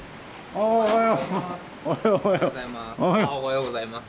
おはようございます。